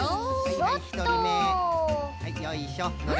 はいよいしょ。